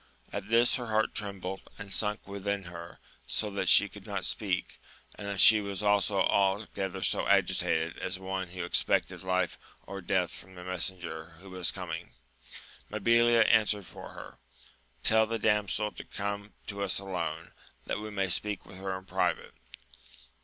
At this her heart trembled, and sunk within her, so that she could not speak, and she was altogether so agitated as one who expected life or death from the messenger who was coming. Mabilia answered for her : Tell the damsel to come to us alone, that we may speak with her in private.